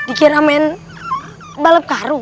dikiramen balap karu